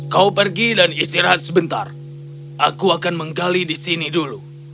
kau pergi dan istirahat sebentar aku akan menggali di sini dulu